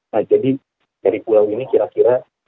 nah jadi dari pulau ini kira kira